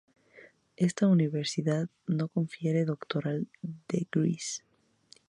Esta universidad no confiere Doctoral degrees.